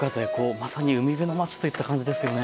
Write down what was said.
まさに海辺の町といった感じですよね。